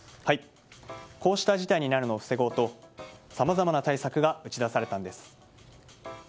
こうした事態になるのを防ごうとさまざまな対策が打ち出されたんです。